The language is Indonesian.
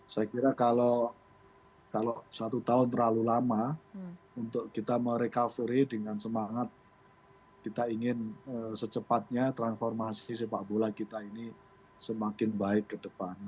saya kira kalau satu tahun terlalu lama untuk kita merecovery dengan semangat kita ingin secepatnya transformasi sepak bola kita ini semakin baik ke depan